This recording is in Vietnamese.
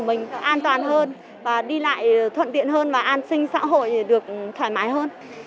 mình an toàn hơn và đi lại thuận tiện hơn và an sinh xã hội được thoải mái hơn